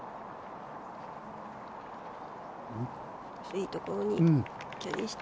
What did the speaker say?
いいところにキャリーして。